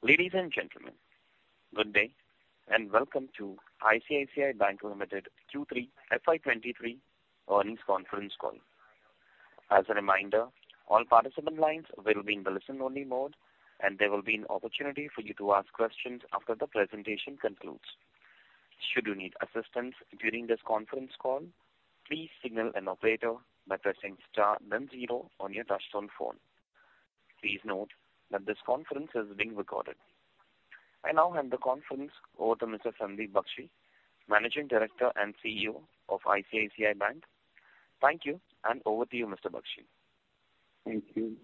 Ladies and gentlemen, good day, and welcome to ICICI Bank Limited Q3 FY23 earnings conference call. As a reminder, all participant lines will be in listen-only mode, and there will be an opportunity for you to ask questions after the presentation concludes. Should you need assistance during this conference call, please signal an operator by pressing star then zero on your touchtone phone. Please note that this conference is being recorded. I now hand the conference over to Mr. Sandeep Bakhshi, Managing Director and CEO of ICICI Bank. Thank you, and over to you, Mr. Bakhshi. Thank you.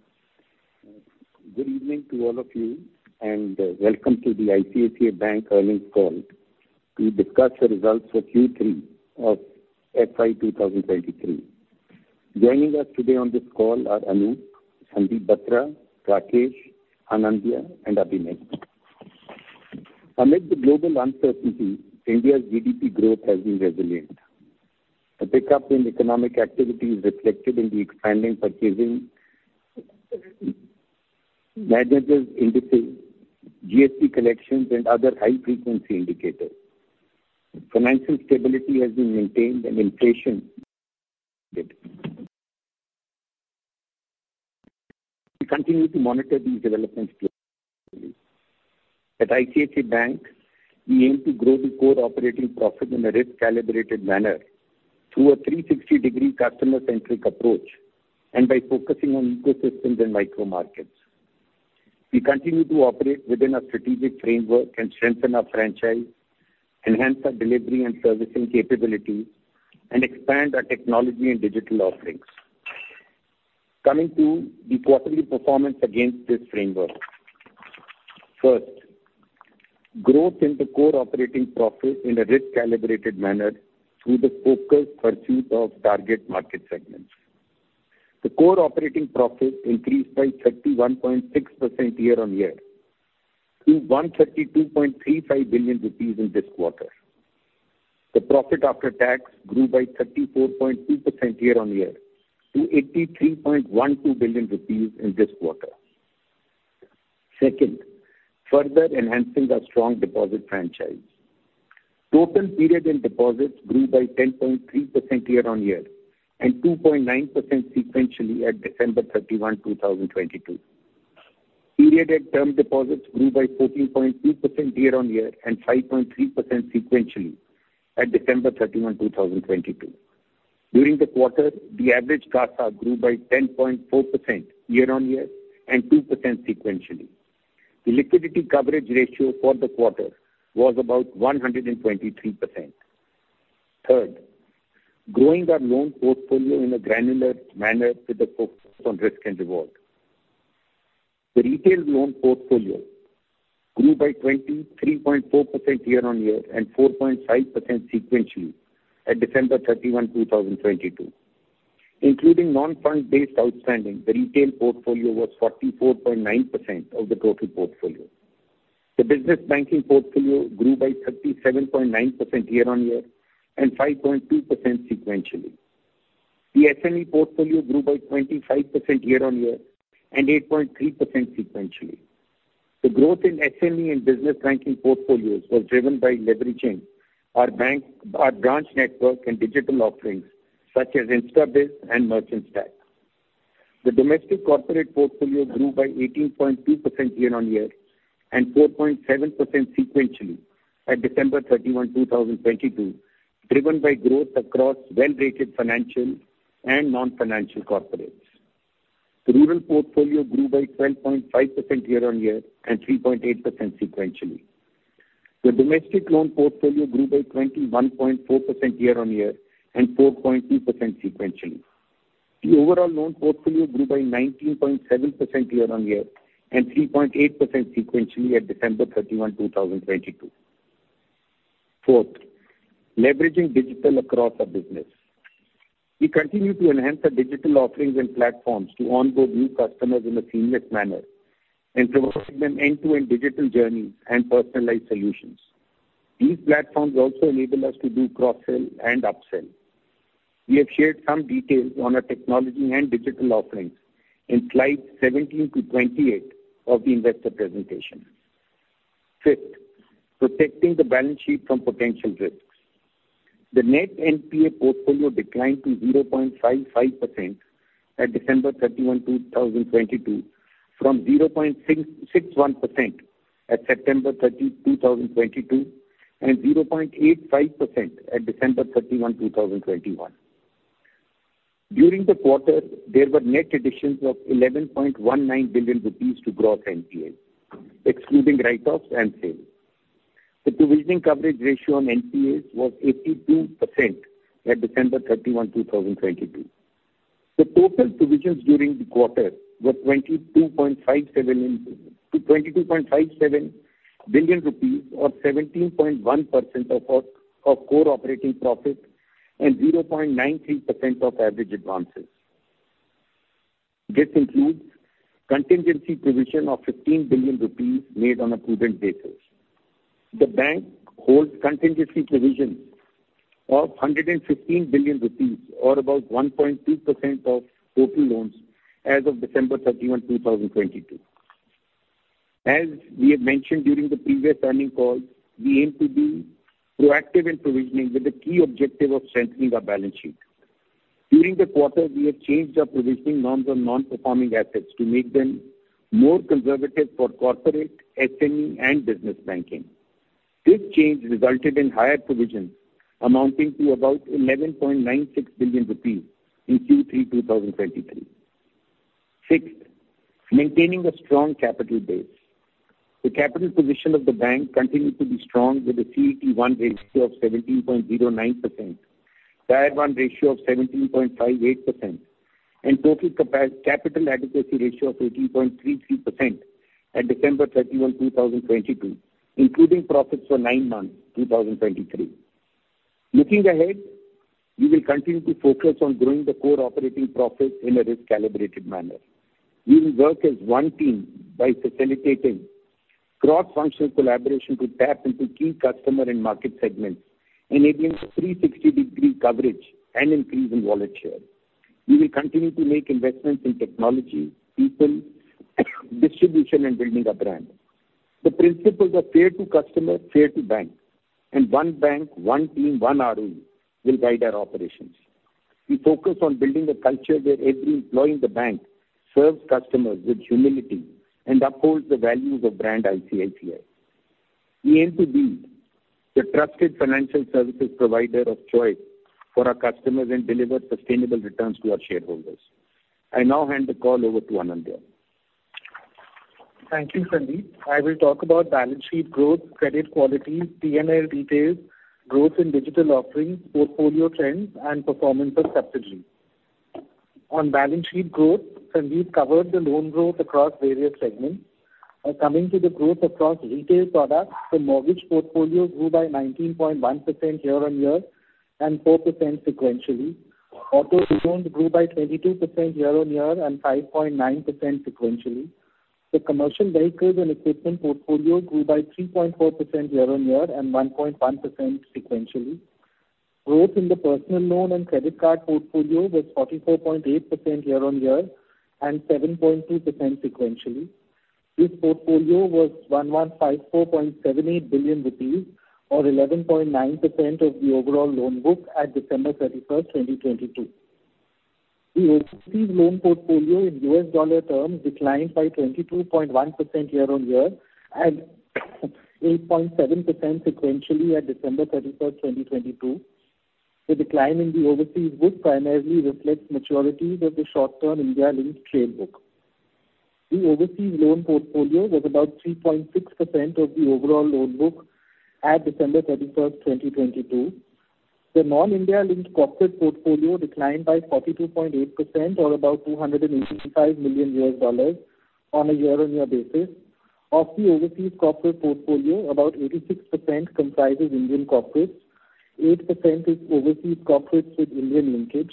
Good evening to all of you, and welcome to the ICICI Bank earnings call to discuss the results for Q3 of FY 2023. Joining us today on this call are Anup, Sandeep Batra, Rakesh, Anindiah, and Abhinay. Amid the global uncertainty, India's GDP growth has been resilient. The pickup in economic activity is reflected in the expanding Purchasing Managers' Indices, GST collections and other high-frequency indicators. Financial stability has been maintained and inflation. We continue to monitor these developments closely. At ICICI Bank, we aim to grow the core operating profit in a risk-calibrated manner through a 360-degree customer-centric approach and by focusing on ecosystems and micro markets. We continue to operate within a strategic framework and strengthen our franchise, enhance our delivery and servicing capabilities, and expand our technology and digital offerings. Coming to the quarterlyperformance against this framework. First, growth in the core operating profit in a risk-calibrated manner through the focused pursuit of target market segments. The core operating profit increased by 31.6% year-on-year to 132.35 billion rupees in this quarter. The profit after tax grew by 34.2% year-on-year to 83.12 billion rupees in this quarter. Second, further enhancing our strong deposit franchise. Total period end deposits grew by 10.3% year-on-year and 2.9% sequentially at December 31, 2022. Period end term deposits grew by 14.2% year-on-year and 5.3% sequentially at December 31, 2022. During the quarter, the average CASA grew by 10.4% year-on-year and 2% sequentially. The liquidity coverage ratio for the quarter was about 123%. Third, growing our loan portfolio in a granular manner with a focus on risk and reward. The retail loan portfolio grew by 23.4% year-on-year and 4.5% sequentially at December 31, 2022. Including non-fund based outstanding, the retail portfolio was 44.9% of the total portfolio. The business banking portfolio grew by 37.9% year-on-year and 5.2% sequentially. The SME portfolio grew by 25% year-on-year and 8.3% sequentially. The growth in SME and business banking portfolios was driven by leveraging our bank, our branch network and digital offerings such as InstaBIZ and Merchant Stack. The domestic corporate portfolio grew by 18.2% year-on-year and 4.7% sequentially at December 31, 2022, driven by growth across well-rated financial and non-financial corporates. The rural portfolio grew by 12.5% year-on-year and 3.8% sequentially. The domestic loan portfolio grew by 21.4% year-on-year and 4.2% sequentially. The overall loan portfolio grew by 19.7% year-on-year and 3.8% sequentially at December 31, 2022. Fourth, leveraging digital across our business. We continue to enhance our digital offerings and platforms to onboard new customers in a seamless manner and provide them end-to-end digital journey and personalized solutions. These platforms also enable us to do cross-sell and up-sell. We have shared some details on our technology and digital offerings in slides 17 to 28 of the investor presentation. Fifth, protecting the balance sheet from potential risks. The net NPA portfolio declined to 0.55% at December 31, 2022 from 0.61% at September 30, 2022 and 0.85% at December 31, 2021. During the quarter, there were net additions of 11.19 billion rupees to gross NPAs, excluding write-offs and sales. The provisioning coverage ratio on NPAs was 82% at December 31, 2022. The total provisions during the quarter were 22.57 billion rupees or 17.1% of our core operating profit and 0.93% of average advances. This includes contingency provision of 15 billion rupees made on a prudent basis. The bank holds contingency provision of 115 billion rupees, or about 1.2% of total loans as of December 31, 2022. As we have mentioned during the previous earning call, we aim to be proactive in provisioning with the key objective of strengthening our balance sheet. During the quarter, we have changed our provisioning norms on non-performing assets to make them more conservative for corporate, SME, and business banking. This change resulted in higher provisions amounting to about 11.96 billion rupees in Q3 2023. Sixth, maintaining a strong capital base. The capital position of the bank continued to be strong with a CET1 ratio of 17.09%, Tier 1 ratio of 17.58%, and total capital adequacy ratio of 18.33% at December 31, 2022, including profits for 9 months, 2023. Looking ahead, we will continue to focus on growing the core operating profits in a risk-calibrated manner. We will work as one team by facilitating cross-functional collaboration to tap into key customer and market segments, enabling 360-degree coverage and increase in wallet share. We will continue to make investments in technology, people, distribution, and building our brand. The principles are fair to customer, fair to bank, and one bank, one team, one ROE will guide our operations. We focus on building a culture where every employee in the bank serves customers with humility and upholds the values of Brand ICICI. We aim to be the trusted financial services provider of choice for our customers and deliver sustainable returns to our shareholders. I now hand the call over to Ananda. Thank you, Sandeep. I will talk about balance sheet growth, credit quality, PNL details, growth in digital offerings, portfolio trends, and performance of subsidiaries. Coming to the growth across retail products, the mortgage portfolio grew by 19.1% year-on-year and 4% sequentially. Auto loans grew by 22% year-on-year and 5.9% sequentially. The commercial vehicles and equipment portfolio grew by 3.4% year-on-year and 1.1% sequentially. Growth in the personal loan and credit card portfolio was 44.8% year-on-year and 7.2% sequentially. This portfolio was 1,154.78 billion rupees or 11.9% of the overall loan book at December 31, 2022. The overseas loan portfolio in US dollar terms declined by 22.1% year-on-year and 8.7% sequentially at December 31, 2022. The decline in the overseas book primarily reflects maturities of the short-term India-linked trade book. The overseas loan portfolio was about 3.6% of the overall loan book at December 31, 2022. The non-India-linked corporate portfolio declined by 42.8% or about $285 million on a year-on-year basis. Of the overseas corporate portfolio, about 86% comprises Indian corporates. 8% is overseas corporates with Indian linkage.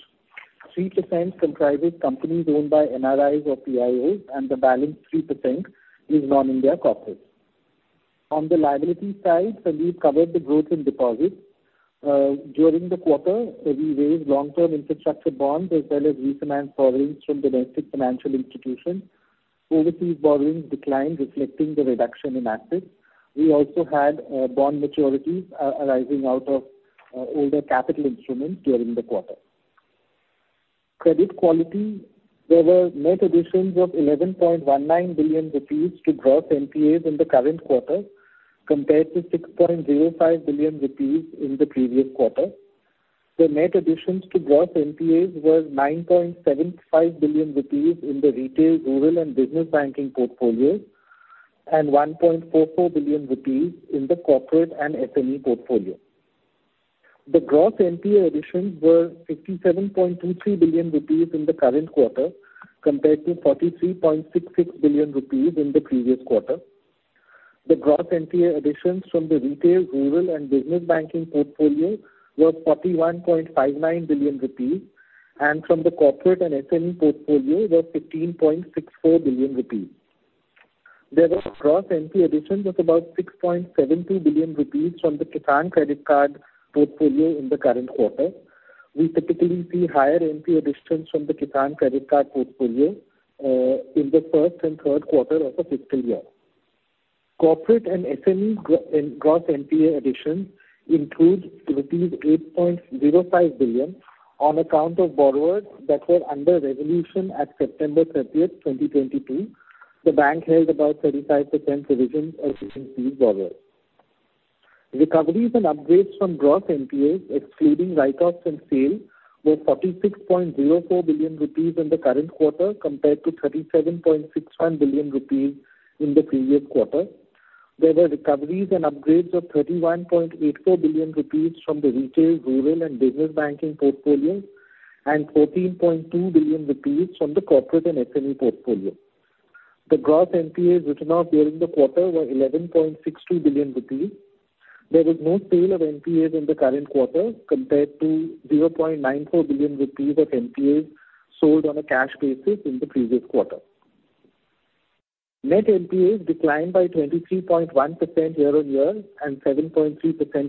3% comprises companies owned by NRIs or PIOs, and the balance 3% is non-India corporate. On the liability side, Sandeep covered the growth in deposits. During the quarter, we raised long-term infrastructure bonds as well as re-demand borrowings from domestic financial institutions. Overseas borrowings declined, reflecting the reduction in assets. We also had bond maturities arising out of older capital instruments during the quarter. Credit quality. There were net additions of 11.19 billion rupees to gross NPAs in the current quarter compared to 6.05 billion rupees in the previous quarter. The net additions to gross NPAs was 9.75 billion rupees in the retail, rural, and business banking portfolio and 1.44 billion rupees in the corporate and SME portfolio. The gross NPA additions were 57.23 billion rupees in the current quarter compared to 43.66 billion rupees in the previous quarter. The gross NPA additions from the retail, rural, and business banking portfolio was 41.59 billion rupees, and from the corporate and SME portfolio was 15.64 billion rupees. There was gross NPA additions of about 6.72 billion rupees from the Kisan Credit Card portfolio in the current quarter. We typically see higher NPA additions from the Kisan Credit Card portfolio in the first and third quarter of a fiscal year. Corporate and SME gross NPA additions includes rupees 8.05 billion on account of borrowers that were under resolution at September 30, 2022. The bank held about 35% provisions against these borrowers. Recoveries and upgrades from gross NPAs, excluding write-offs and sale, were 46.04 billion rupees in the current quarter compared to 37.61 billion rupees in the previous quarter. There were recoveries and upgrades of 31.84 billion rupees from the retail, rural, and business banking portfolio and 14.2 billion rupees from the corporate and SME portfolio. The gross NPAs written off during the quarter were 11.62 billion rupees. There was no sale of NPAs in the current quarter compared to 0.94 billion rupees of NPAs sold on a cash basis in the previous quarter. Net NPAs declined by 23.1% year-on-year and 7.3%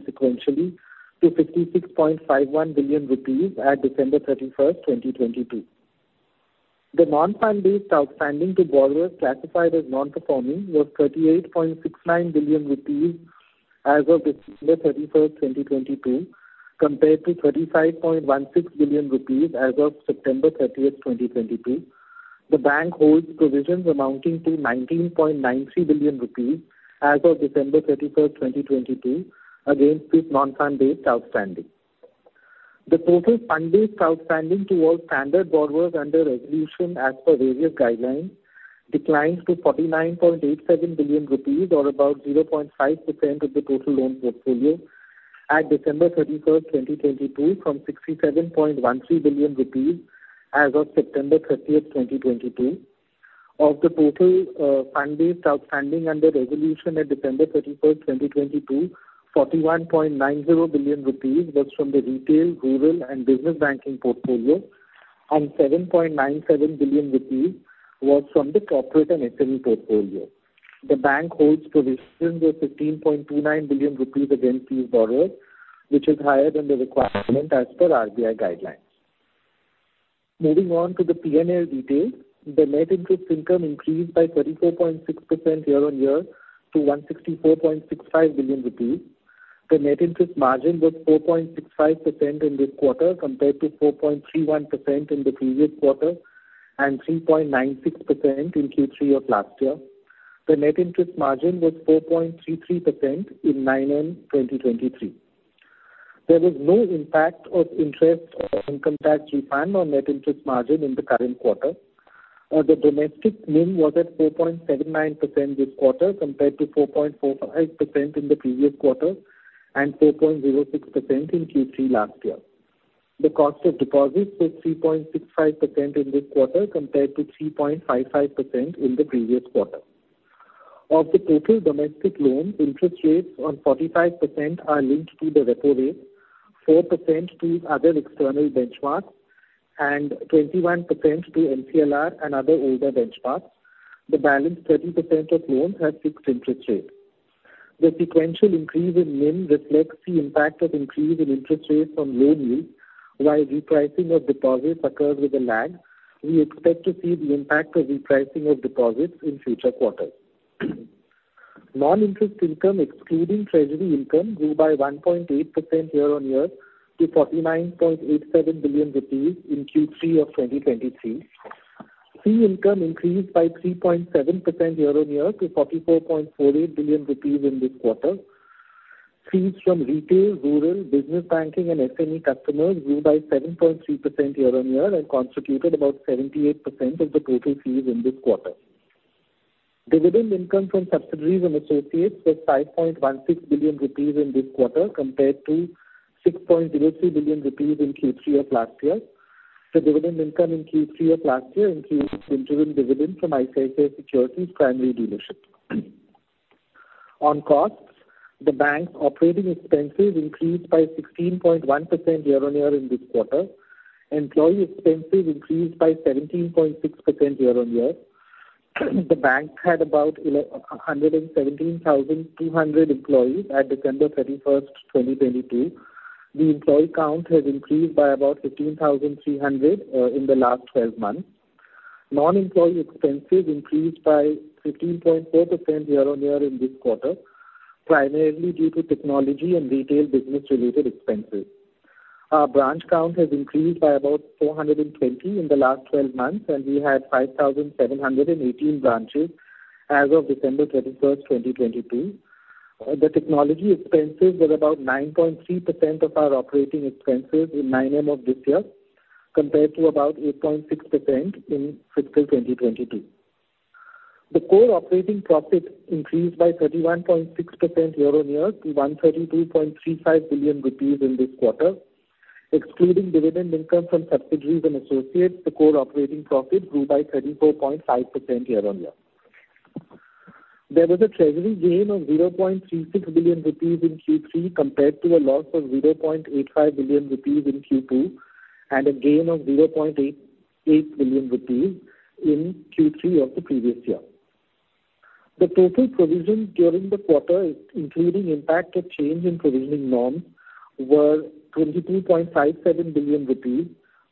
sequentially to 56.51 billion rupees at December 31, 2022. The non-fund-based outstanding to borrowers classified as non-performing was 38.69 billion rupees as of December 31, 2022, compared to 35.16 billion rupees as of September 30, 2022. The bank holds provisions amounting to 19.93 billion rupees as of December 31, 2022, against this non-fund-based outstanding. The total fund-based outstanding towards standard borrowers under resolution as per various guidelines declines to 49.87 billion rupees or about 0.5% of the total loan portfolio at December 31, 2022, from 67.13 billion rupees as of September 30, 2022. Of the total fund-based outstanding under resolution at December 31, 2022, 41.90 billion rupees was from the retail, rural and business banking portfolio, and 7.97 billion rupees was from the corporate and SME portfolio. The bank holds provisions of 15.29 billion rupees against these borrowers, which is higher than the requirement as per RBI guidelines. Moving on to the P&L details. The net interest income increased by 34.6% year-on-year to 164.65 billion rupees. The net interest margin was 4.65% in this quarter compared to 4.31% in the previous quarter and 3.96% in Q3 of last year. The net interest margin was 4.33% in 2023. There was no impact of interest income tax refund on net interest margin in the current quarter. The domestic NIM was at 4.79% this quarter compared to 4.45% in the previous quarter and 4.06% in Q3 last year. The cost of deposits was 3.65% in this quarter compared to 3.55% in the previous quarter. Of the total domestic loans, interest rates on 45% are linked to the repo rate, 4% to other external benchmarks, and 21% to MCLR and other older benchmarks. The balance 30% of loans have fixed interest rates. The sequential increase in NIM reflects the impact of increase in interest rates on loan yields while repricing of deposits occurs with a lag. We expect to see the impact of repricing of deposits in future quarters. Non-interest income, excluding treasury income, grew by 1.8% year-on-year to 49.87 billion rupees in Q3 of 2023. Fee income increased by 3.7% year-on-year to 44.48 billion rupees in this quarter. Fees from retail, rural, business banking and SME customers grew by 7.3% year-on-year and constituted about 78% of the total fees in this quarter. Dividend income from subsidiaries and associates was 5.16 billion rupees in this quarter compared to 6.03 billion rupees in Q3 of last year. The dividend income in Q3 of last year includes interim dividend from ICICI Securities Primary Dealership. On costs, the bank's operating expenses increased by 16.1% year-on-year in this quarter. Employee expenses increased by 17.6% year-on-year. The bank had about 117,200 employees at December 31st, 2022. The employee count has increased by about 15,300 in the last 12 months. Non-employee expenses increased by 15.4% year-on-year in this quarter, primarily due to technology and retail business-related expenses. Our branch count has increased by about 420 in the last 12 months, and we had 5,718 branches as of December 31, 2022. The technology expenses were about 9.3% of our operating expenses in nine of this year compared to about 8.6% in fiscal 2022. The core operating profit increased by 31.6% year-on-year to 132.35 billion rupees in this quarter. Excluding dividend income from subsidiaries and associates, the core operating profit grew by 34.5% year-on-year. There was a treasury gain of 0.36 billion rupees in Q3 compared to a loss of 0.85 billion rupees in Q2 and a gain of 0.88 billion rupees in Q3 of the previous year. The total provisions during the quarter, including impact of change in provisioning norms, were INR 22.57 billion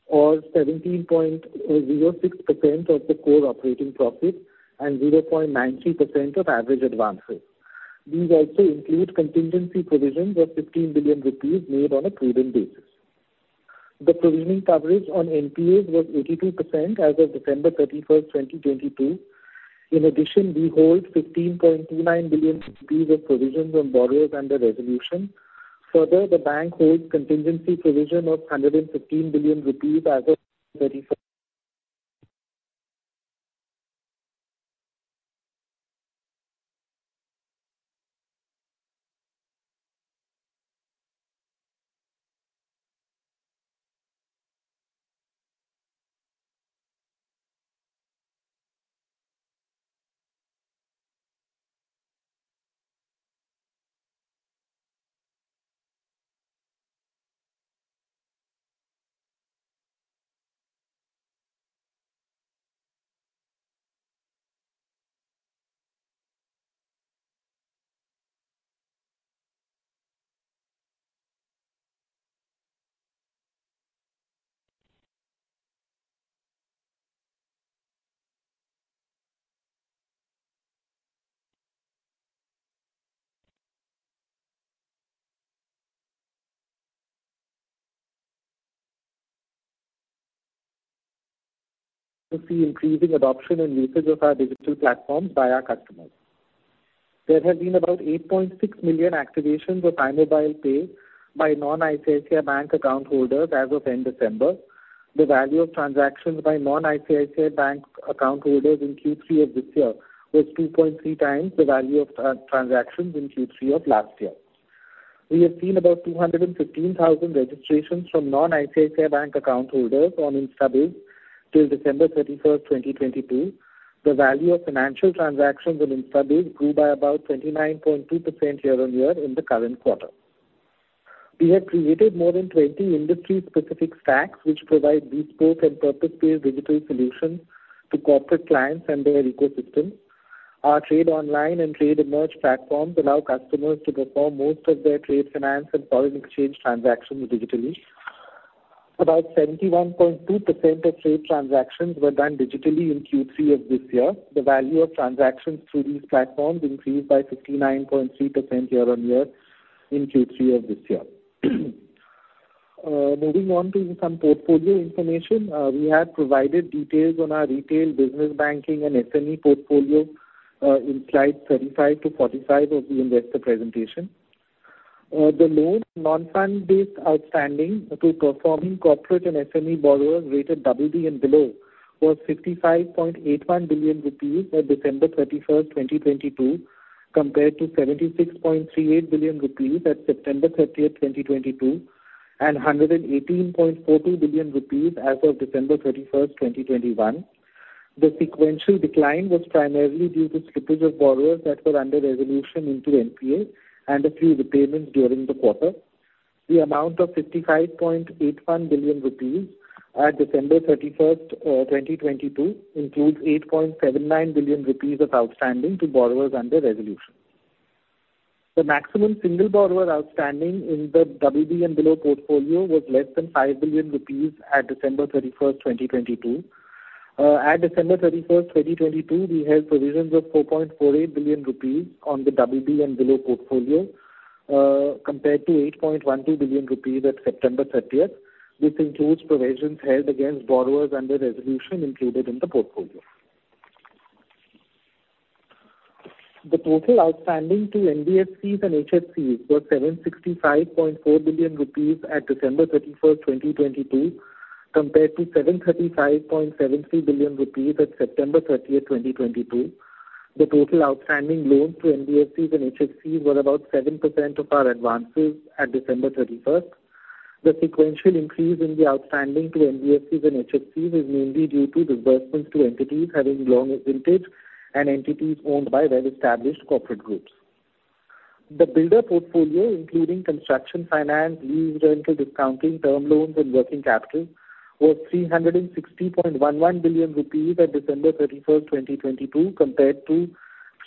or 17.06% of the core operating profit and 0.93% of average advances. These also include contingency provisions of 15 billion rupees made on a prudent basis. The provisioning coverage on NPAs was 82% as of December 31, 2022. In addition, we hold 15.29 billion rupees of provisions on borrowers under resolution. Further, the Bank holds contingency provision of 115 billion rupees as of 31st. To see increasing adoption and usage of our digital platforms by our customers. There have been about 8.6 million activations of iMobile Pay by non-ICICI Bank account holders as of end December. The value of transactions by non-ICICI Bank account holders in Q3 of this year was 2.3 times the value of transactions in Q3 of last year. We have seen about 215,000 registrations from non-ICICI Bank account holders on InstaBIZ till December 31st, 2022. The value of financial transactions on InstaBIZ grew by about 29.2% year-on-year in the current quarter. We have created more than 20 industry specific stacks which provide bespoke and purpose-built digital solutions to corporate clients and their ecosystem. Our Trade Online and Trade Emerge platforms allow customers to perform most of their trade finance and foreign exchange transactions digitally. About 71.2% of trade transactions were done digitally in Q3 of this year. The value of transactions through these platforms increased by 59.3% year-on-year in Q3 of this year. Moving on to some portfolio information. We have provided details on our retail business banking and SME portfolio in slide 35-45 of the investor presentation. The loan non-fund-based outstanding to performing corporate and SME borrowers rated BB and below was 55.81 billion rupees at December 31, 2022, compared to 76.38 billion rupees at September 30, 2022, and 118.40 billion rupees as of December 31, 2021. The sequential decline was primarily due to slippage of borrowers that were under resolution into NPA and a few repayments during the quarter. The amount of 55.81 billion rupees at December 31st, 2022, includes 8.79 billion rupees of outstanding to borrowers under resolution. The maximum single borrower outstanding in the BB and below portfolio was less than 5 billion rupees at December 31st, 2022. At December 31st, 2022, we had provisions of 4.48 billion rupees on the BB and below portfolio, compared to 8.12 billion rupees at September 30th. This includes provisions held against borrowers under resolution included in the portfolio. The total outstanding to NBFCs and HFCs was 765.4 billion rupees at December 31, 2022, compared to 735.73 billion rupees at September 30, 2022. The total outstanding loans to NBFCs and HFCs were about 7% of our advances at December 31. The sequential increase in the outstanding to NBFCs and HFCs is mainly due to disbursements to entities having long vintage and entities owned by well-established corporate groups. The builder portfolio, including construction finance, lease, rental discounting, term loans, and working capital, was 360.11 billion rupees at December 31, 2022, compared to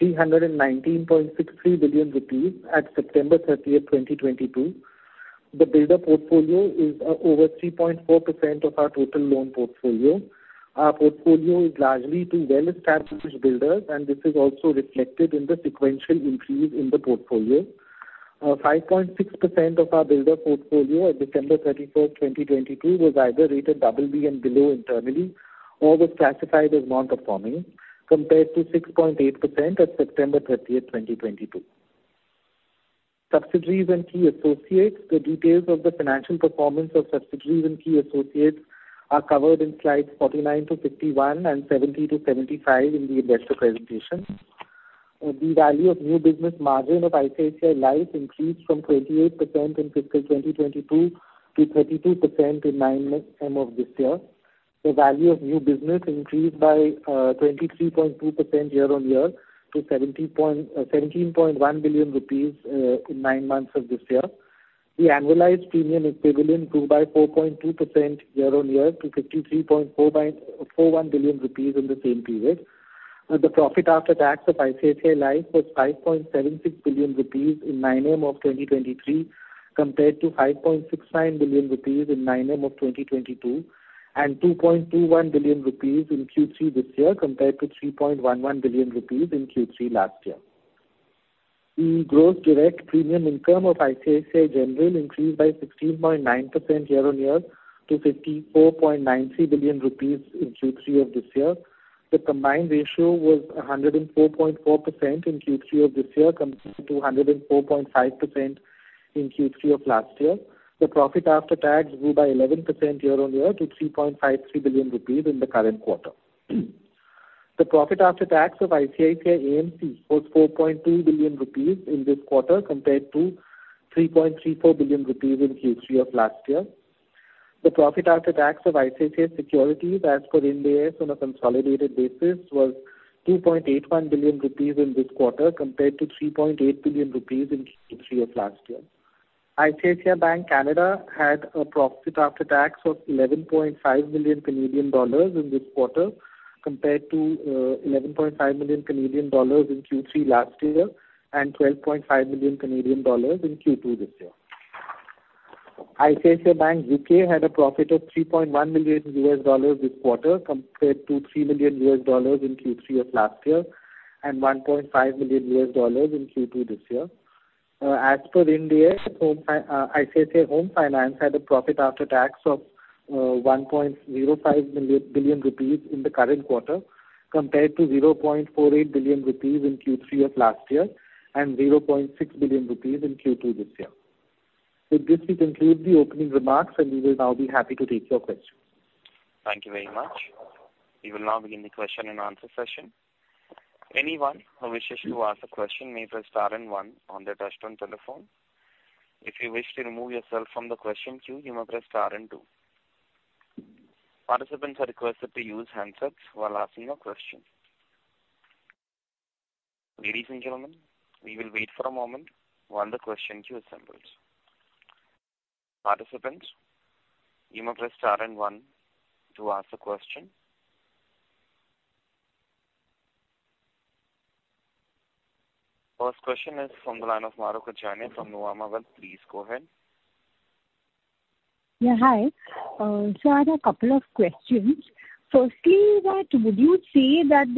319.63 billion rupees at September 30, 2022. The builder portfolio is over 3.4% of our total loan portfolio. Our portfolio is largely to well-established builders, and this is also reflected in the sequential increase in the portfolio. 5.6% of our builder portfolio at December 31, 2022, was either rated BB and below internally or was classified as non-performing, compared to 6.8% at September 30, 2022. Subsidiaries and key associates. The details of the financial performance of subsidiaries and key associates are covered in slides 49-51 and 70-75 in the investor presentation. The value of new business margin of ICICI Life increased from 28% in fiscal 2022 to 32% in nine months of this year. The value of new business increased by 23.2% year-on-year to 17.1 billion rupees in nine months of this year. The annualized premium equivalent grew by four point two percent year on year to fifty-three point four by, four one billion rupees in the same period. Uh, the profit after tax of ICICI Life was five point seven six billion rupees in nine M of twenty twenty-three, compared to five point six nine billion rupees in nine M of twenty twenty-two, and two point two one billion rupees in Q3 this year compared to three point one one billion rupees in Q3 last year. The growth direct premium income of ICICI General increased by sixteen point nine percent year on year to fifty-four point nine three billion rupees in Q3 of this year. The combined ratio was a hundred and four point four percent in Q3 of this year compared to a hundred and four point five percent in Q3 of last year. The profit after tax grew by 11% year-on-year to 3.53 billion rupees in the current quarter. The profit after tax of ICICI AMC was 4.2 billion rupees in this quarter compared to 3.34 billion rupees in Q3 of last year. The profit after tax of ICICI Securities, as per Ind AS on a consolidated basis, was 2.81 billion rupees in this quarter compared to 3.8 billion rupees in Q3 of last year. ICICI Bank Canada had a profit after tax of 11.5 million Canadian dollars in this quarter, compared to 11.5 million Canadian dollars in Q3 last year and 12.5 million Canadian dollars in Q2 this year. ICICI Bank UK had a profit of $3.1 million this quarter, compared to $3 million in Q3 of last year and $1.5 million in Q2 this year. as per India, ICICI Home Finance had a profit after tax of 1.05 billion rupees in the current quarter, compared to 0.48 billion rupees in Q3 of last year and 0.6 billion rupees in Q2 this year. With this, we conclude the opening remarks. We will now be happy to take your questions. Thank you very much. We will now begin the question and answer session. Anyone who wishes to ask a question may press star and one on their touch-tone telephone. If you wish to remove yourself from the question queue, you may press star and two. Participants are requested to use handsets while asking a question. Ladies and gentlemen, we will wait for a moment while the question queue assembles. Participants, you may press star and one to ask a question. First question is from the line of Mahrukh Adajania from Nomura. Please go ahead. Yeah, hi. I have a couple of questions. Firstly, that would you say that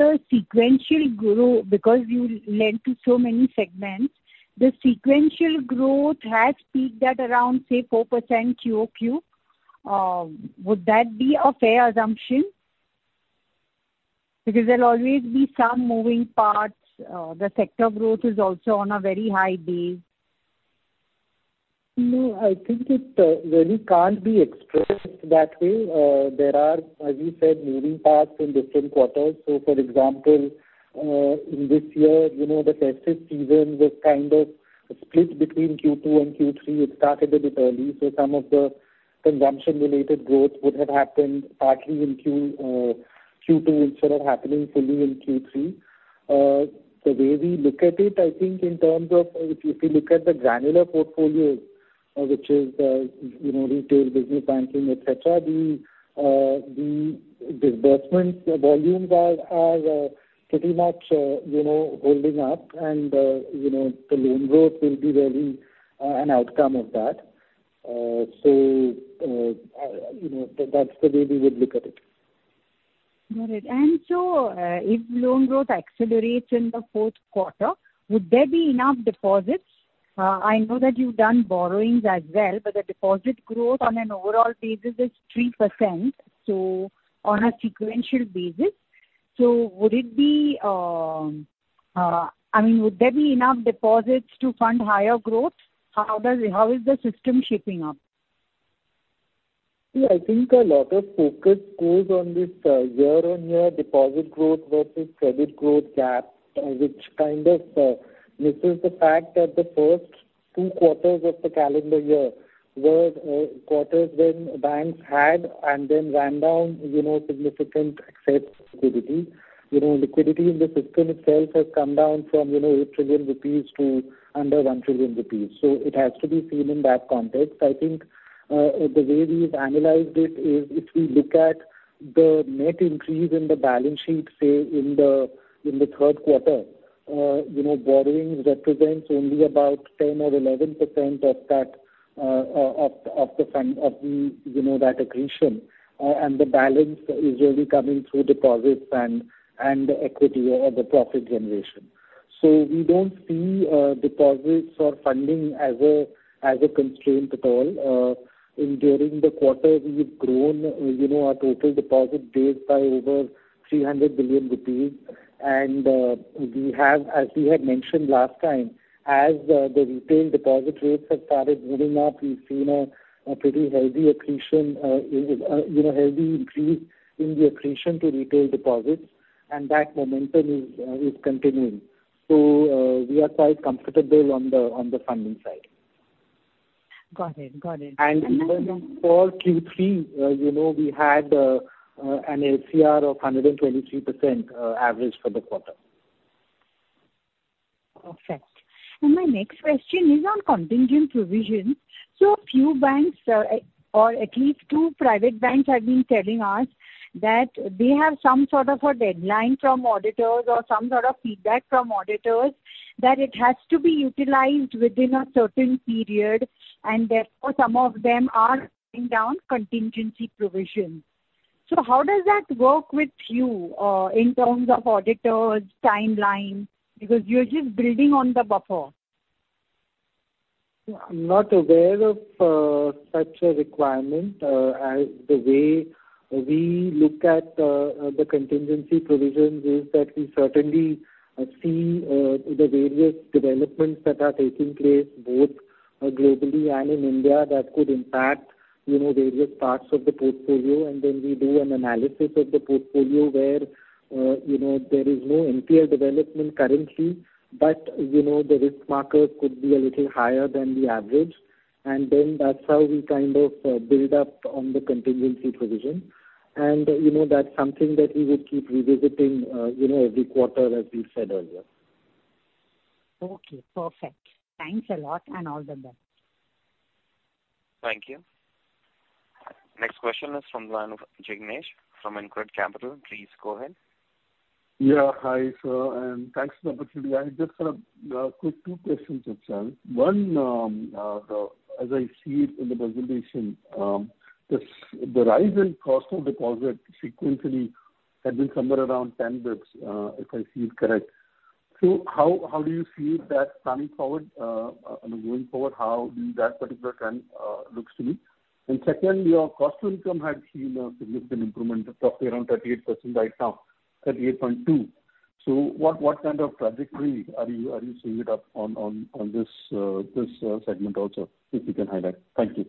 because you lend to so many segments, the sequential growth has peaked at around, say, 4% QOQ. Would that be a fair assumption? There'll always be some moving parts. The sector growth is also on a very high base. No, I think it really can't be expressed that way. There are, as you said, moving parts in different quarters. For example, in this year, you know, the festive season was kind of split between Q2 and Q3. It started a bit early, so some of the consumption-related growth would have happened partly in Q2 instead of happening fully in Q3. The way we look at it, I think in terms of if you look at the granular portfolio, which is, you know, retail business banking, et cetera, the disbursement volumes are pretty much, you know, holding up and, you know, the loan growth will be really an outcome of that. You know, that's the way we would look at it. Got it. If loan growth accelerates in the fourth quarter, would there be enough deposits? I know that you've done borrowings as well, but the deposit growth on an overall basis is 3%, so on a sequential basis. Would it be, I mean, would there be enough deposits to fund higher growth? How is the system shaping up? I think a lot of focus goes on this, year-on-year deposit growth versus credit growth gap, which kind of, misses the fact that the first two quarters of the calendar year were quarters when banks had and then ran down, you know, significant excess liquidity. You know, liquidity in the system itself has come down from, you know, 8 trillion rupees to under 1 trillion rupees. It has to be seen in that context. I think, the way we've analyzed it is if we look at the net increase in the balance sheet, say, in the, in the third quarter, you know, borrowings represents only about 10% or 11% of that, of the fund, of the, you know, that accretion, and the balance is really coming through deposits and equity or the profit generation. We don't see deposits or funding as a constraint at all. During the quarter, we've grown, you know, our total deposit base by over 300 billion rupees. We have, as we had mentioned last time, as the retail deposit rates have started moving up, we've seen a pretty healthy accretion, you know, healthy increase in the accretion to retail deposits, and that momentum is continuing. We are quite comfortable on the funding side. Got it. Got it. Even for Q3, you know, we had an ACR of 123%, average for the quarter. Perfect. My next question is on contingent provisions. A few banks, or at least two private banks have been telling us that they have some sort of a deadline from auditors or some sort of feedback from auditors that it has to be utilized within a certain period, and therefore, some of them are bringing down contingency provisions. How does that work with you in terms of auditors, timeline? Because you're just building on the buffer. I'm not aware of such a requirement. As the way we look at the contingency provisions is that we certainly see the various developments that are taking place both globally and in India that could impact, you know, various parts of the portfolio. We do an analysis of the portfolio where, you know, there is no NPL development currently, but, you know, the risk marker could be a little higher than the average. That's how we kind of build up on the contingency provision. And, you know, that's something that we would keep revisiting, you know, every quarter, as we said earlier. Okay, perfect. Thanks a lot. All the best. Thank you. Next question is from the line of Jignesh from InCred Capital. Please go ahead. Yeah. Hi, sir, and thanks for the opportunity. I just have quick two questions itself. One, as I see it in the presentation, this, the rise in cost of deposit sequentially had been somewhere around 10 bits, if I see it correct. How do you see that planning forward, I mean, going forward, how do that particular trend looks to be? Second, your cost to income had seen a significant improvement of around 38% right now, 38.2%. What kind of trajectory are you seeing it up on this segment also, if you can highlight? Thank you.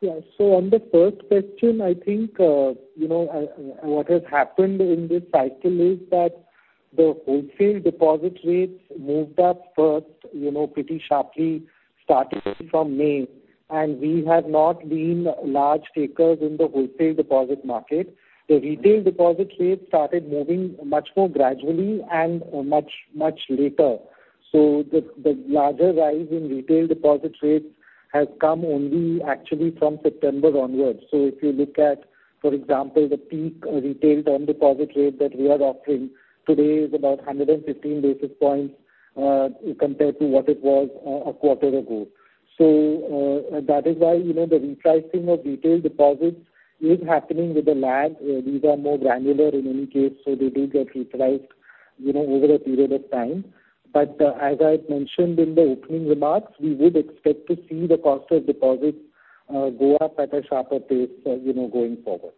Yeah. On the first question, I think, you know, what has happened in this cycle is that the wholesale deposit rates moved up first, you know, pretty sharply, starting from May. We have not been large takers in the wholesale deposit market. The retail deposit rates started moving much more gradually and much, much later. The larger rise in retail deposit rates has come only actually from September onwards. If you look at, for example, the peak retail term deposit rate that we are offering today is about 115 basis points compared to what it was a quarter ago. That is why, you know, the repricing of retail deposits is happening with a lag. These are more granular in any case, so they do get repriced, you know, over a period of time. As I mentioned in the opening remarks, we would expect to see the cost of deposits, go up at a sharper pace, you know, going forward.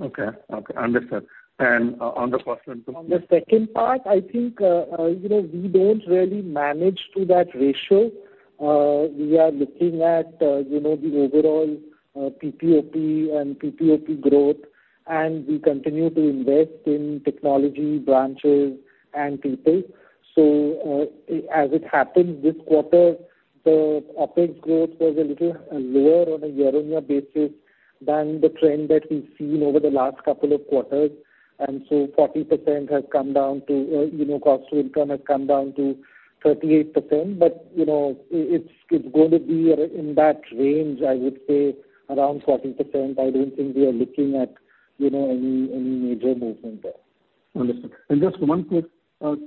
Okay. Okay. Understood. On the cost center- On the second part, I think, you know, we don't really manage to that ratio. We are looking at, you know, the overall PPOP and PPOP growth, and we continue to invest in technology branches and people. As it happened this quarter, the OpEx growth was a little lower on a year-on-year basis than the trend that we've seen over the last couple of quarters. 40% has come down to, you know, cost to income has come down to 38%. You know, it's going to be in that range, I would say around 40%. I don't think we are looking at, you know, any major movement there. Understood. Just one quick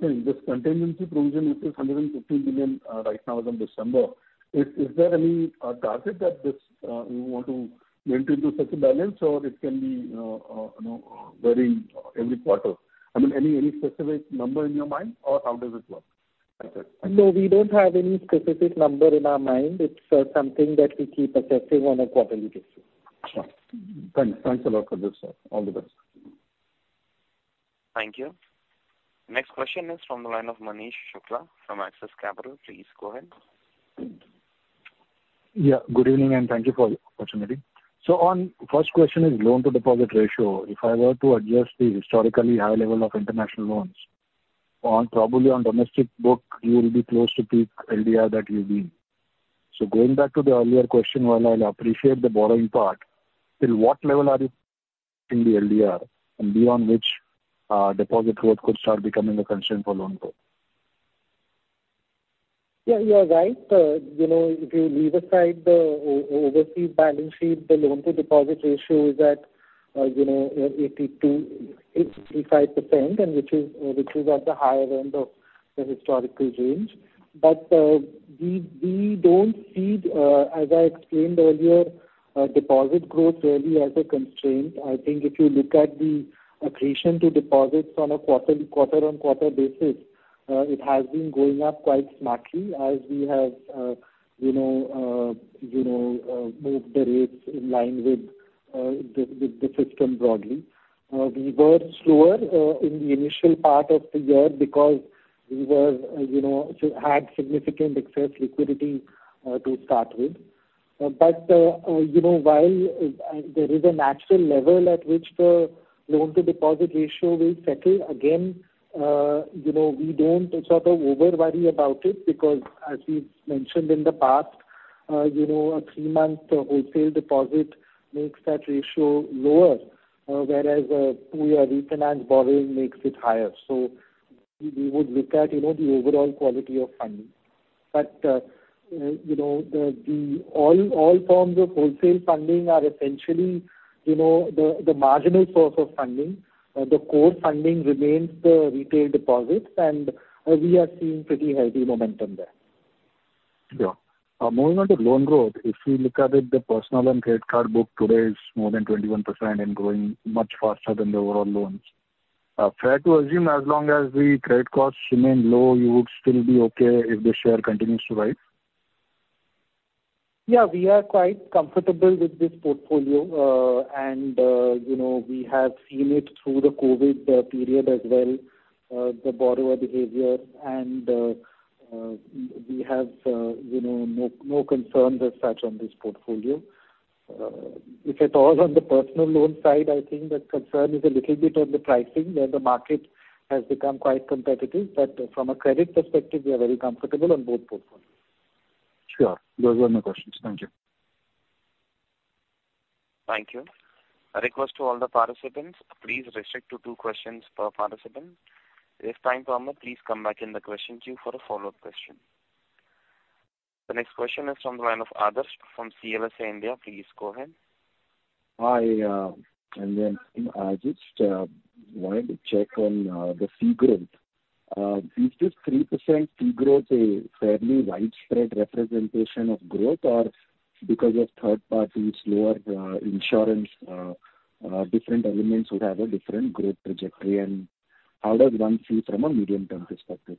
thing. This contingency provision, which is 115 billion right now as of December, is there any target that you want to maintain such a balance, or it can be, you know, varying every quarter? I mean, any specific number in your mind, or how does it work? That's it. Thank you. No, we don't have any specific number in our mind. It's something that we keep assessing on a quarterly basis. Sure. Thanks a lot for this, sir. All the best. Thank you. Next question is from the line of Manish Shukla from Axis Capital. Please go ahead. Yeah, good evening, and thank you for the opportunity. First question is loan-to-deposit ratio. If I were to adjust the historically high level of international loans on, probably on domestic book, you will be close to peak LDR that you've been. Going back to the earlier question, while I'll appreciate the borrowing part, till what level are you in the LDR and beyond which, deposit growth could start becoming a concern for loan growth? Yeah, you are right. You know, if you leave aside the overseas balance sheet, the loan-to-deposit ratio is at, you know, 82%-85%, and which is at the higher end of the historical range. We don't see, as I explained earlier, deposit growth really as a constraint. I think if you look at the accretion to deposits on a quarter-on-quarter basis, it has been going up quite smartly as we have, you know, you know, moved the rates in line with the system broadly. We were slower, in the initial part of the year because we were, you know, so had significant excess liquidity, to start with. You know, while, there is a natural level at which the loan-to-deposit ratio will settle, again, you know, we don't sort of over worry about it because as we've mentioned in the past, you know, a 3-month wholesale deposit makes that ratio lower, whereas, a 2-year refinance borrowing makes it higher. We would look at, you know, the overall quality of funding. You know, the all forms of wholesale funding are essentially, you know, the marginal source of funding. The core funding remains the retail deposits. We are seeing pretty healthy momentum there. Sure. Moving on to loan growth, if we look at it, the personal and credit card book today is more than 21% and growing much faster than the overall loans. Fair to assume as long as the credit costs remain low, you would still be okay if the share continues to rise? Yeah. We are quite comfortable with this portfolio. And, you know, we have seen it through the COVID period as well, the borrower behavior, and, we have, you know, no concerns as such on this portfolio. If at all on the personal loan side, I think the concern is a little bit on the pricing, where the market has become quite competitive. From a credit perspective, we are very comfortable on both portfolios. Sure. Those were my questions. Thank you. Thank you. A request to all the participants, please restrict to 2 questions per participant. If time permit, please come back in the question queue for a follow-up question. The next question is from the line of Adarsh from CLSA India. Please go ahead. Hi, and then, I just wanted to check on the fee growth. Is this 3% fee growth a fairly widespread representation of growth or because of third parties' lower insurance, different elements would have a different growth trajectory? How does one see from a medium-term perspective?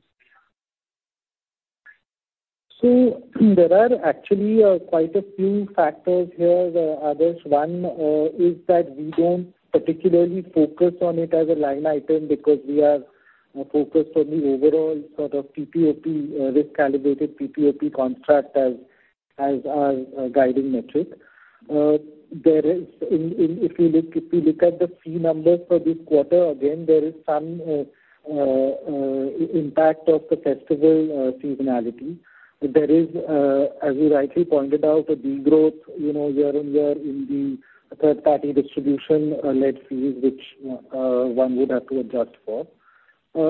There are actually quite a few factors here, Adarsh. One, is that we don't particularly focus on it as a line item because we are focused on the overall sort of PPOP, risk-calibrated PPOP contract as our guiding metric. There is if you look at the fee numbers for this quarter, again, there is some impact of the festival seasonality. There is, as you rightly pointed out, a degrowth, you know, year-on-year in the third-party distribution, led fees which one would have to adjust for.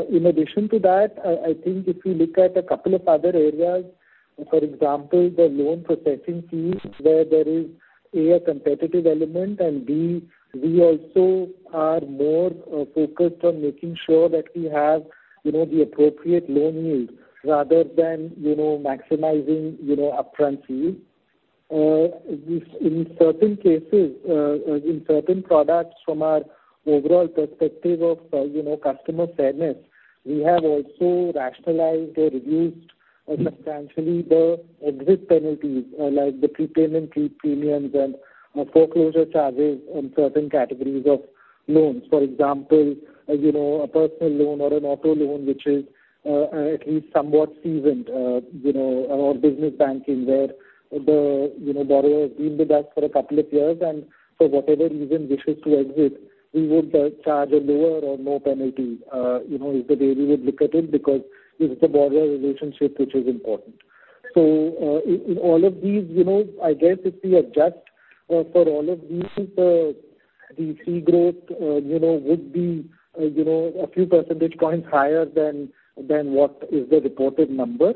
In addition to that, I think if you look at a couple of other areas, for example, the loan processing fees where there is, A, a competitive element and, B, we also are more focused on making sure that we have, you know, the appropriate loan yield rather than, you know, maximizing, you know, upfront fees. This, in certain cases, in certain products from our overall perspective of, you know, customer fairness, we have also rationalized or reduced substantially the exit penalties, like the prepayment, pre-premiums and foreclosure charges on certain categories of loans. For example, you know, a personal loan or an auto loan, which is at least somewhat seasoned, you know, or business banking where the, you know, borrower has been with us for a couple of years and for whatever reason wishes to exit, we would charge a lower or no penalty, you know, is the way we would look at it because it's the borrower relationship which is important. In all of these, you know, I guess if we adjust for all of these, the fee growth, you know, would be, you know, a few percentage points higher than what is the reported number.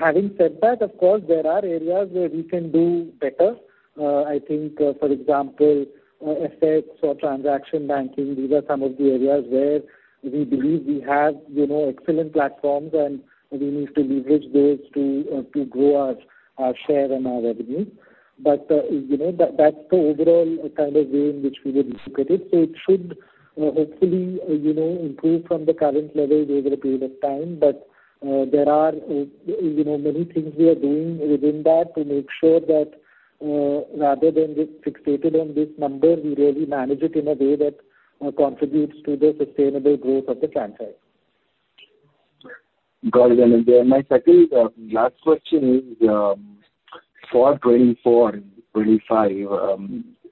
Having said that, of course, there are areas where we can do better. I think, for example, FX or transaction banking, these are some of the areas where we believe we have, you know, excellent platforms and we need to leverage those to grow our share and our revenue. You know, that's the overall kind of way in which we would look at it. It should, hopefully, you know, improve from the current levels over a period of time. There are, you know, many things we are doing within that to make sure that, rather than get fixated on this number, we really manage it in a way that, contributes to the sustainable growth of the franchise. Got it. My second last question is, for 2024, 2025,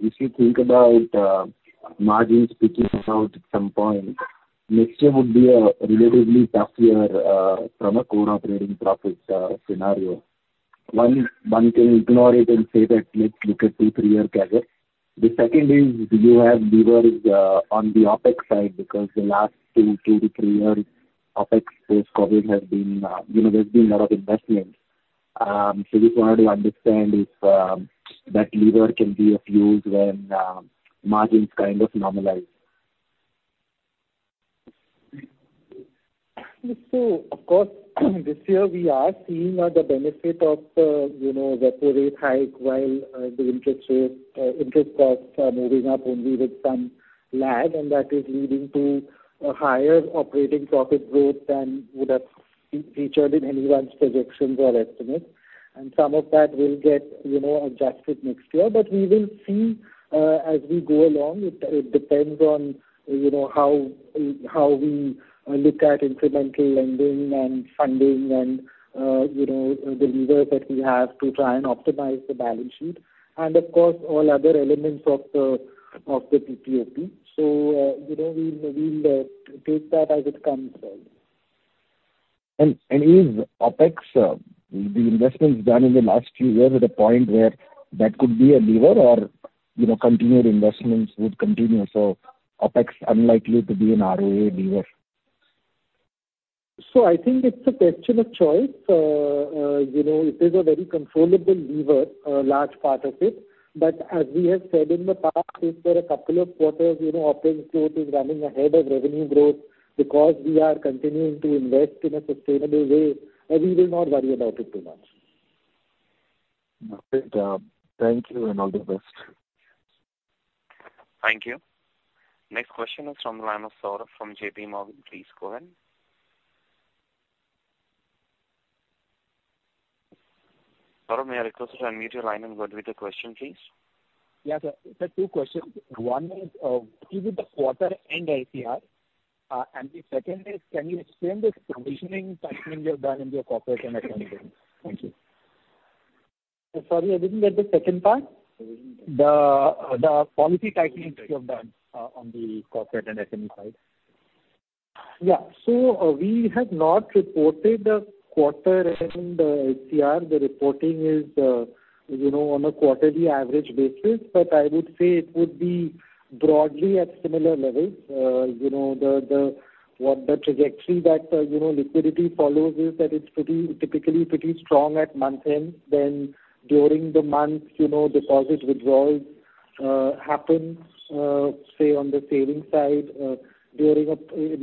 if you think about margins peaking out at some point, next year would be a relatively tough year from a core operating profits scenario. One, one can ignore it and say that, "Let's look at two, three-year cadence." The second is, do you have levers on the OpEx side because the last two, 2 to 3 years OpEx since COVID has been, you know, there's been a lot of investments. So just wanted to understand if that lever can be of use when margins kind of normalize. Of course, this year we are seeing, the benefit of, you know, repo rate hike while, the interest rate, interest costs are moving up only with some lag and that is leading to a higher operating profit growth than would have featured in anyone's projections or estimates. Some of that will get, you know, adjusted next year. We will see, as we go along. It, it depends on, you know, how we, look at incremental lending and funding and, you know, the levers that we have to try and optimize the balance sheet and of course, all other elements of the, of the PPOP. You know, we'll, take that as it comes. Is OpEx, the investments done in the last few years at a point where that could be a lever or, you know, continued investments would continue, so OpEx unlikely to be an ROA lever? I think it's a question of choice. You know, it is a very controllable lever, a large part of it. As we have said in the past, if for a couple of quarters, you know, operating growth is running ahead of revenue growth because we are continuing to invest in a sustainable way, we will not worry about it too much. Great. Thank you and all the best. Thank you. Next question is from the line of Saurabh from J.P Morgan. Please go ahead. Saurabh, may I request you to unmute your line and go ahead with the question, please. Yeah, sir. Sir, two questions. One is, what is it the quarter-end ACR? The second is, can you explain the provisioning tightening you have done in your corporate and SME business? Thank you. Sorry, I didn't get the second part. The policy tightening that you have done on the corporate and SME side. Yeah. We have not reported a quarter in the HCR. The reporting is, you know, on a quarterly average basis. I would say it would be broadly at similar levels. You know, the, what the trajectory that, you know, liquidity follows is that it's pretty, typically pretty strong at month end. During the month, you know, deposit withdrawals happens, say on the savings side. During a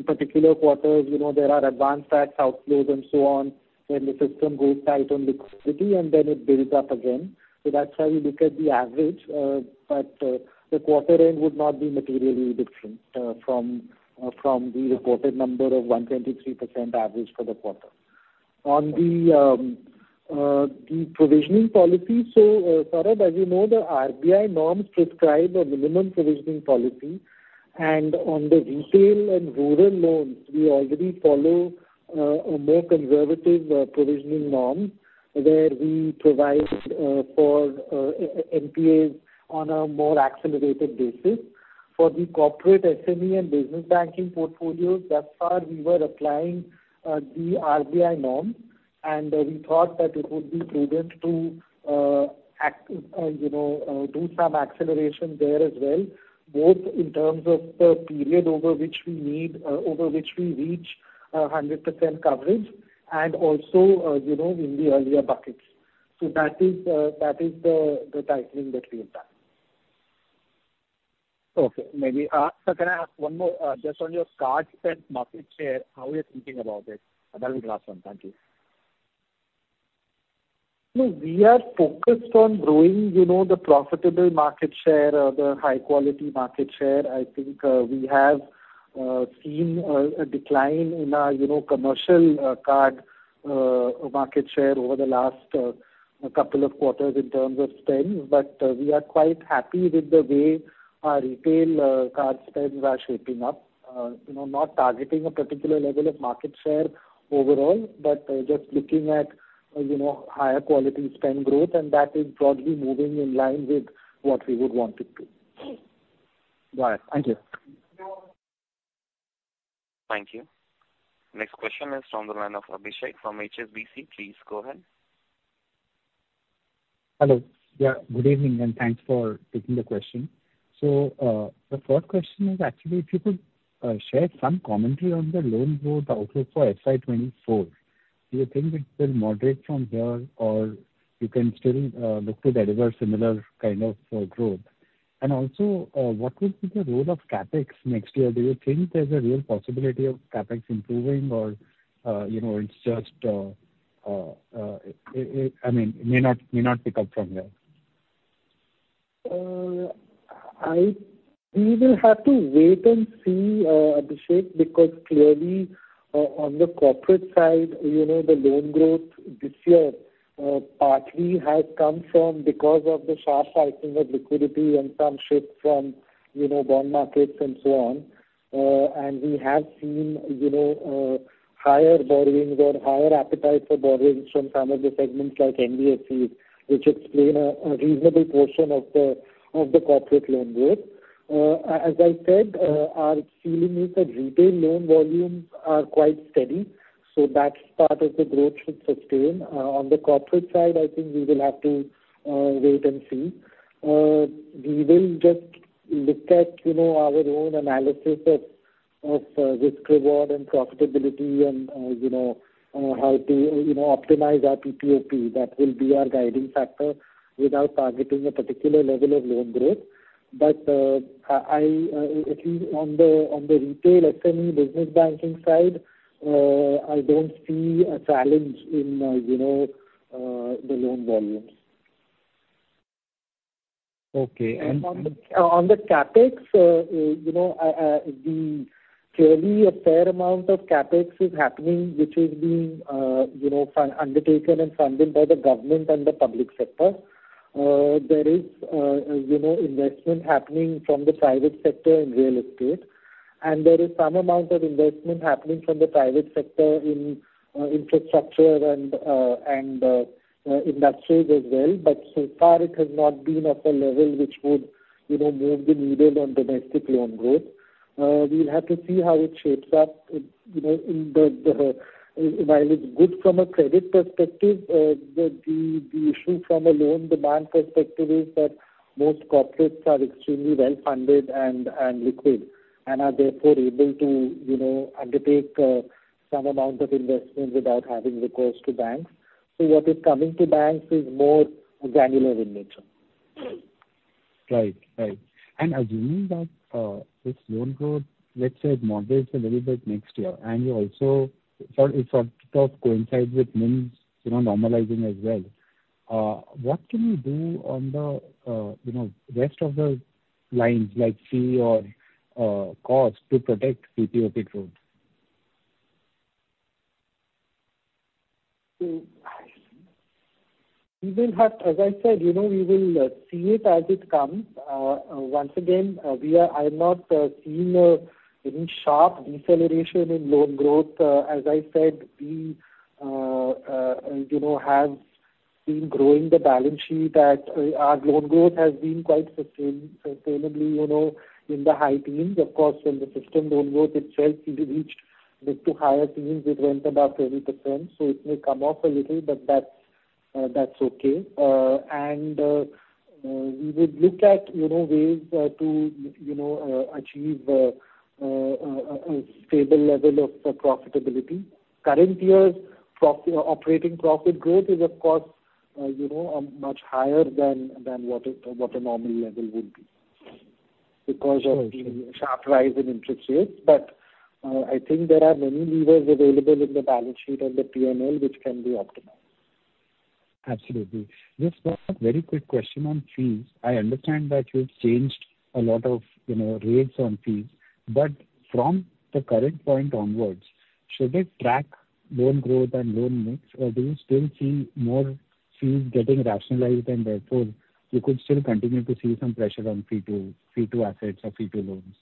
particular quarter, you know, there are advance tax outflows and so on, when the system goes tight on liquidity, and then it builds up again. That's why we look at the average. The quarter end would not be materially different from the reported number of 123% average for the quarter. On the provisioning policy. Saurabh, as you know, the RBI norms prescribe a minimum provisioning policy. On the retail and rural loans, we already follow a more conservative provisioning norm, where we provide for NPAs on a more accelerated basis. For the corporate SME and business banking portfolios, thus far, we were applying the RBI norm. We thought that it would be prudent to, you know, do some acceleration there as well, both in terms of the period over which we need over which we reach 100% coverage and also, you know, in the earlier buckets. That is, that is the tightening that we have done. Okay. Maybe, sir, can I ask one more? Just on your card spend market share, how are you thinking about it? That'll be the last one. Thank you. No, we are focused on growing, you know, the profitable market share, the high quality market share. I think we have seen a decline in our, you know, commercial card market share over the last couple of quarters in terms of spend. We are quite happy with the way our retail card spends are shaping up. You know, not targeting a particular level of market share overall, but just looking at, you know, higher quality spend growth, and that is broadly moving in line with what we would want it to. Got it. Thank you. Thank you. Next question is from the line of Abhishek from HSBC. Please go ahead. Hello. Yeah, good evening, and thanks for taking the question. The first question is actually if you could share some commentary on the loan growth outlook for FY 2024. Do you think it will moderate from here, or you can still look to deliver similar kind of growth? Also, what will be the role of CapEx next year? Do you think there's a real possibility of CapEx improving or, you know, it's just, I mean, may not pick up from there? We will have to wait and see, Abhishek, because clearly, on the corporate side, you know, the loan growth this year, partly has come from because of the sharp tightening of liquidity and some shift from, you know, bond markets and so on. We have seen, you know, higher borrowings or higher appetite for borrowings from some of the segments like NBFCs, which explain a reasonable portion of the corporate loan growth. As I said, our feeling is that retail loan volumes are quite steady, so that part of the growth should sustain. On the corporate side, I think we will have to wait and see. We will just look at, you know, our own analysis of risk reward and profitability and, you know, how to, you know, optimize our PPOP. That will be our guiding factor without targeting a particular level of loan growth. I, at least on the retail SME business banking side, I don't see a challenge in, you know, the loan volumes. Okay. On the CapEx, you know, clearly a fair amount of CapEx is happening, which is being, you know, undertaken and funded by the government and the public sector. There is, you know, investment happening from the private sector in real estate. There is some amount of investment happening from the private sector in infrastructure and industries as well. So far it has not been of a level which would, you know, move the needle on domestic loan growth. We'll have to see how it shapes up, you know, in the while it's good from a credit perspective, the issue from a loan demand perspective is that most corporates are extremely well-funded and liquid and are therefore able to, you know, undertake some amount of investment without having recourse to banks. What is coming to banks is more granular in nature. Right. Right. Assuming that this loan growth, let's say it moderates a little bit next year, and you also, for it sort of coincides with NIMs, you know, normalizing as well, what can you do on the, you know, rest of the lines like fee or cost to protect PPOP growth? As I said, you know, we will see it as it comes. Once again, we are, I have not seen any sharp deceleration in loan growth. As I said, we, you know, have been growing the balance sheet at our loan growth has been quite sustainably, you know, in the high teens. Of course, when the system don't work itself, it reached the 2 higher teens. It went about 30%, so it may come off a little, but that's okay. We would look at, you know, ways to, you know, achieve a stable level of profitability. Current year's operating profit growth is of course, you know, much higher than what a normal level would be because of the sharp rise in interest rates. I think there are many levers available in the balance sheet and the P&L which can be optimized. Absolutely. Just one very quick question on fees. I understand that you've changed a lot of, you know, rates on fees. From the current point onwards, should they track loan growth and loan mix or do you still see more fees getting rationalized and therefore you could still continue to see some pressure on fee to assets or fee to loans?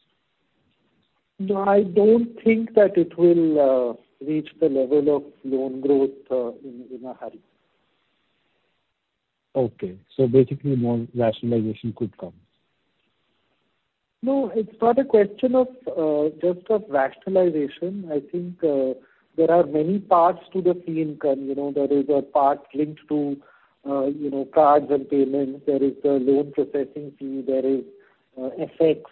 I don't think that it will reach the level of loan growth in a hurry. Okay. Basically more rationalization could come. It's not a question of just of rationalization. I think, there are many parts to the fee income, you know. There is a part linked to, you know, cards and payments. There is the loan processing fee. There is FX.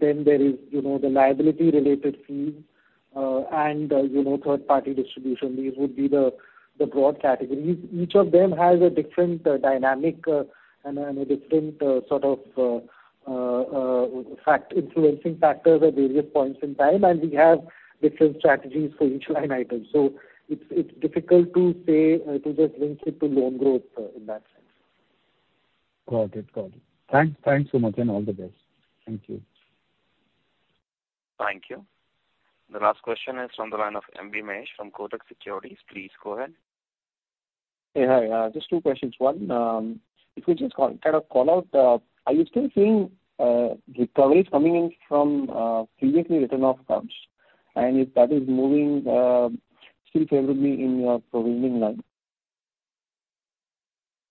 Then there is, you know, the liability related fees. And, you know, third party distribution. These would be the broad categories. Each of them has a different dynamic and a different sort of influencing factor at various points in time, and we have different strategies for each line item. It's difficult to say to just link it to loan growth in that sense. Got it. Got it. Thanks. Thanks so much, and all the best. Thank you. Thank you. The last question is from the line of M.B. Mahesh from Kotak Securities. Please go ahead. Hey. Hi. Just two questions. One, if we just kind of call out, are you still seeing recoveries coming in from previously written off accounts? If that is moving still favorably in your provisioning line?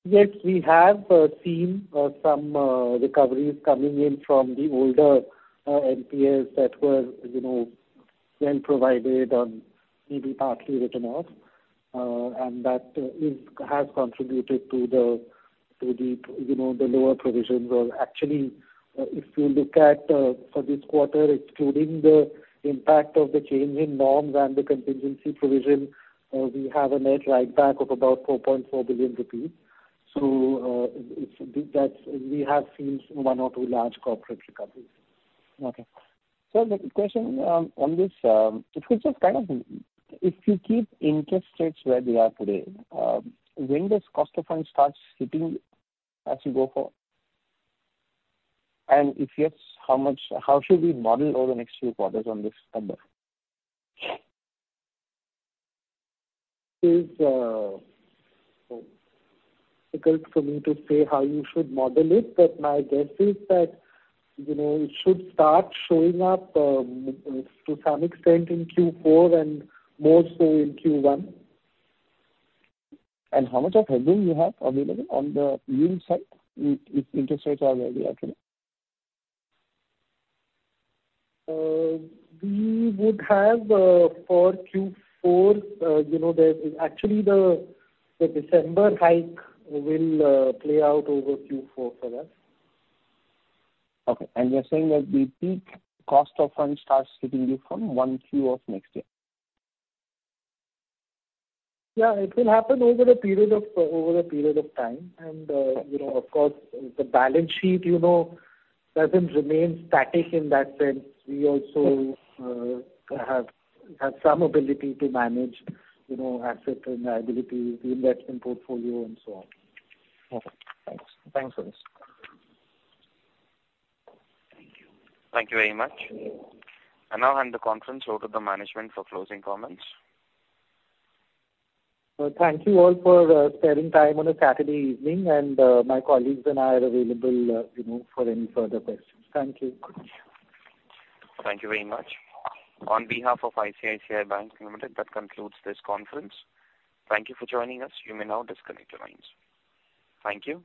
Yes, we have seen some recoveries coming in from the older NPAs that were, you know, well provided and maybe partly written off. That has contributed to the, you know, the lower provisions. Actually, if you look at for this quarter, excluding the impact of the change in norms and the contingency provision, we have a net write back of about 4.4 billion rupees. That's, we have seen one or two large corporate recoveries. Okay. The question on this, if we just kind of, if you keep interest rates where they are today, when does cost of funds starts hitting as you go forward? If yes, how much, how should we model over the next few quarters on this number? It is difficult for me to say how you should model it, but my guess is that, you know, it should start showing up to some extent in Q4 and more so in Q1. How much of headroom you have available on the yield side if interest rates are where they are today? We would have, for Q4, you know, there's actually the December hike will play out over Q4 for us. Okay. you're saying that the peak cost of funds starts hitting you from one Q of next year? Yeah. It will happen over a period of time. You know, of course, the balance sheet, you know, doesn't remain static in that sense. We also have some ability to manage, you know, asset and liability, the investment portfolio and so on. Okay, thanks. Thanks for this. Thank you. Thank you very much. I now hand the conference over to the management for closing comments. Thank you all for spending time on a Saturday evening. My colleagues and I are available, you know, for any further questions. Thank you. Thank you very much. On behalf of ICICI Bank Limited, that concludes this conference. Thank you for joining us. You may now disconnect your lines. Thank you